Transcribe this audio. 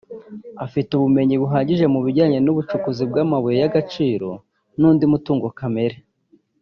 Afite Ubumenyi buhagije mu bijyanye n’ubucukuzi bw’amabuye y’agaciro n’undi mutungo kamere